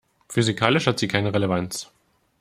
Physikalisch hat sie keine Relevanz.